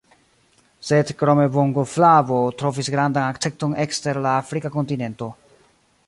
Sed krome bongoflavo trovis grandan akcepton ekster la afrika kontinento.